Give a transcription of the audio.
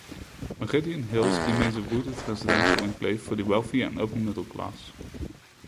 Meridian Hills remains a wooded residential enclave for the wealthy and upper-middle class.